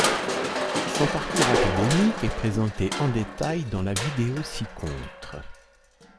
Son parcours académique est présenté en détail dans la vidéo ci-contre.